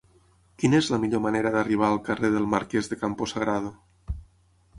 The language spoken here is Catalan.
Quina és la millor manera d'arribar al carrer del Marquès de Campo Sagrado?